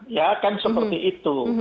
ya kan seperti itu